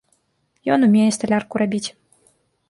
Ён умее сталярку рабіць.